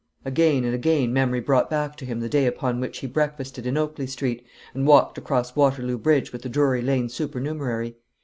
Again and again memory brought back to him the day upon which he breakfasted in Oakley Street, and walked across Waterloo Bridge with the Drury Lane supernumerary.